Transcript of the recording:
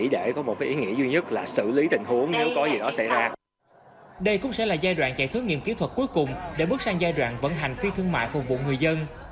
đây cũng sẽ là giai đoạn chạy thử nghiệm kỹ thuật cuối cùng để bước sang giai đoạn vận hành phi thương mại phục vụ người dân